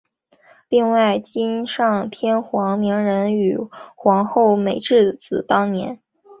另外今上天皇明仁与皇后美智子当年。